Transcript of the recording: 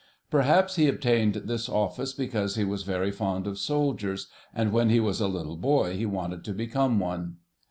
Perhaps he obtained this office because he was very fond of soldiers, and when he was a little boy he wanted to become one.